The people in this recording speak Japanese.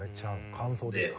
乾燥ですか。